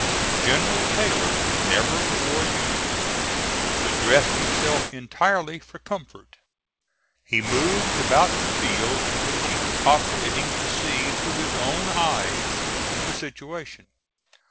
General Taylor never wore uniform, but dressed himself entirely for comfort. He moved about the field in which he was operating to see through his own eyes the situation.